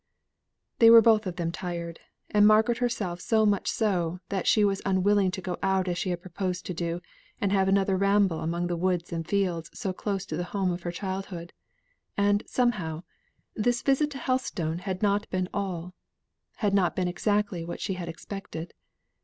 They were both of them tired, and Margaret herself so much so, that she was unwilling to go out as she had proposed to do, and have another ramble among the woods and fields so close to the home of her childhood. And, somehow, this visit to Helstone had not been all had not been exactly what she had expected.